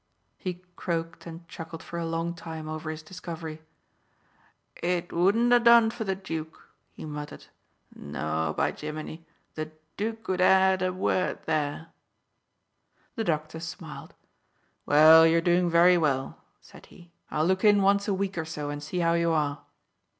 He croaked and chuckled for a long time over his discovery. "It wouldn't ha' done for the Dook!" he muttered. "No, by Jimini! the Dook would ha' had a word there." The doctor smiled. "Well, you are doing very well," said he. "I'll look in once a week or so, and see how you are."